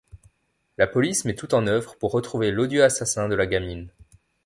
La police met tout en œuvre pour retrouver l'odieux assassin de la gamine.